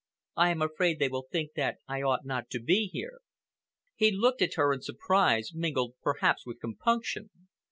I am afraid they will think that I ought not to be here." He looked at her in surprise, mingled, perhaps, with compunction.